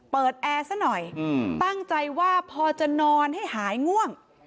แอร์ซะหน่อยตั้งใจว่าพอจะนอนให้หายง่วง